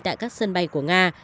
tại các sân bay của nga